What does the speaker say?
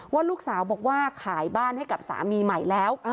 ว่าลูกสาวบอกว่าขายบ้านให้กับสามีใหม่แล้ว